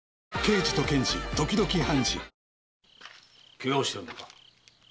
ケガをしておるのか？